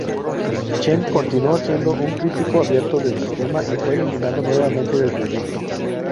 Chen continuó siendo un crítico abierto del sistema y fue eliminado nuevamente del proyecto.